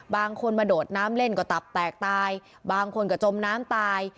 บางคนมาโดดน้ำเล่นก็ตับแตกตายบางคนก็จมน้ำตาย